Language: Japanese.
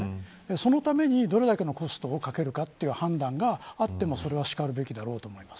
そのためにどれだけのコストをかけるかという判断があってもそれはしかるべきだろうと思います。